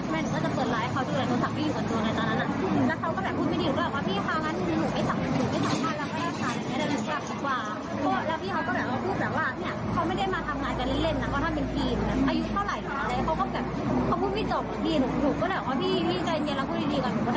มันเป็นเรื่องของตัวบุคคล